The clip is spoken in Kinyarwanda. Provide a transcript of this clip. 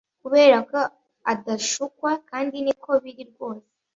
Kuberako adashukwa kandi niko biri rwose